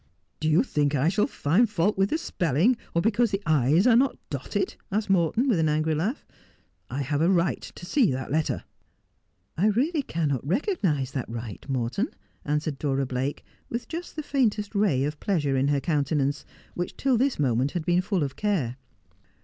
' Do you think I shall find fault with the spelling, or because the I's are not dotted 1 ' asked Morton, with an angry laugh. ' I have a right to see that letter.' ' I really cannot recognise that right, Morton,' answered Dora Blake, with just the faintest ray of pleasure in her countenance, which till this moment had been full of care.